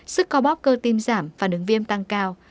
sức co bóp cơ tim giảm và đường viêm tăng cao